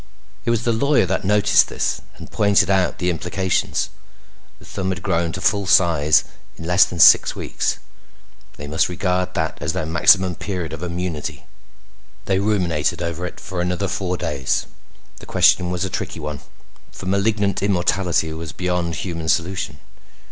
It was the lawyer that noticed this and pointed out the implications. The thumb had grown to full size in less than six weeks. They must regard that as their maximum period of immunity. They ruminated over it for another four days. The question was a tricky one, for malignant immortality was beyond human solution.